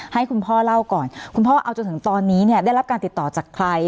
ให้คุณพ่อเล่าก่อนคุณพ่อเอาจนถึงตอนนี้เนี่ยได้รับการติดต่อจากใคร